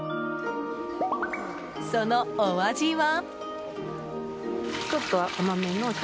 そのお味は。